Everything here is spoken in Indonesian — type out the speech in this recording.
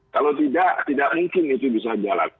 kalau tidak tidak mungkin itu bisa jalan